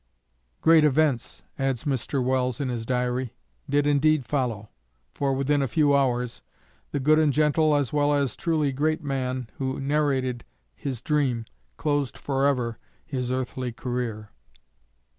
'" "Great events," adds Mr. Welles in his Diary, "did indeed follow; for within a few hours the good and gentle as well as truly great man who narrated his dream closed forever his earthly career."